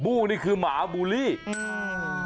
นานพี่เขาเปียกหมดแล้วนะ